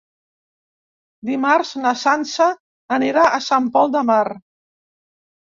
Dimarts na Sança anirà a Sant Pol de Mar.